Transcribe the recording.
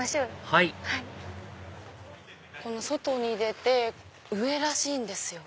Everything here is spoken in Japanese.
はい外に出て上らしいんですよ。